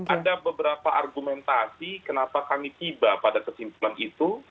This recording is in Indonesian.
ada beberapa argumentasi kenapa kami tiba pada kesimpulan itu